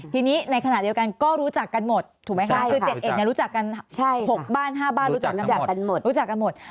ทีนี้ในขณะเดียวกันก็รู้จักกันหมดถูกไหมคะคือเด็ดเอกเนี่ยรู้จักกัน๖บ้าน๕บ้านรู้จักกันหมด